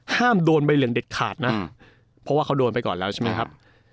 โดนใบเหลืองเด็ดขาดนะเพราะว่าเขาโดนไปก่อนแล้วใช่ไหมครับ